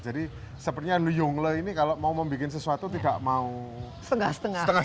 jadi sepertinya yongle ini kalau mau membuat sesuatu tidak mau setengah setengah